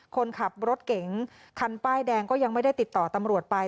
คนขับรถเก๋งคันป้ายแดงก็ยังไม่ได้ติดต่อตำรวจไป